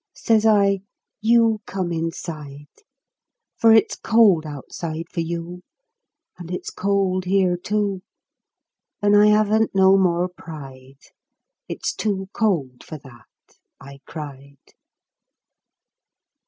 Says I, You come inside ; For it's cold outside for you, 20 THE FIRE And it's cold here too ; And I haven't no more pride â It's too cold for that," I cried.